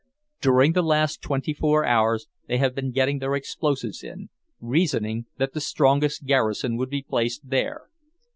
During the last twenty four hours they had been getting their explosives in, reasoning that the strongest garrison would be placed there.